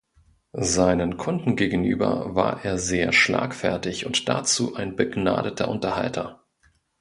Seinen Kunden gegenüber war er sehr schlagfertig und dazu ein begnadeter Unterhalter.